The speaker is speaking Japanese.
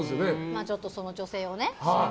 ちょっと、その女性をね。